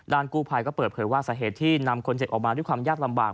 กู้ภัยก็เปิดเผยว่าสาเหตุที่นำคนเจ็บออกมาด้วยความยากลำบาก